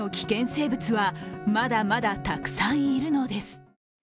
生物はまだまだたくさんいるのです。